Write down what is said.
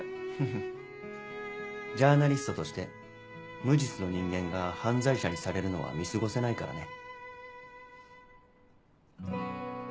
フフジャーナリストとして無実の人間が犯罪者にされるのは見過ごせないからね。